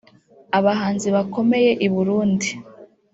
Abahanzi bakomeye i Burundi